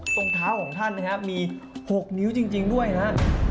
ตรงเท้าของท่านนะครับมี๖นิ้วจริงด้วยนะครับ